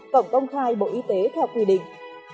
cộng công khai bộ y tế theo quy định